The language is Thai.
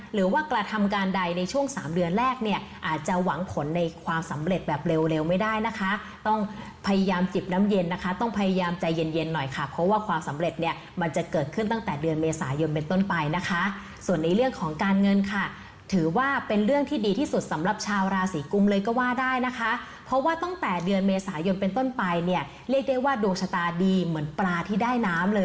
หรือว่ากระทำการใดในช่วงสามเดือนแรกเนี่ยอาจจะหวังผลในความสำเร็จแบบเร็วไม่ได้นะคะต้องพยายามจิบน้ำเย็นนะคะต้องพยายามใจเย็นหน่อยค่ะเพราะว่าความสำเร็จเนี่ยมันจะเกิดขึ้นตั้งแต่เดือนเมษายนเป็นต้นไปนะคะส่วนในเรื่องของการเงินค่ะถือว่าเป็นเรื่องที่ดีที่สุดสำหรับชาวราศรีกุมเลยก็ว่าได้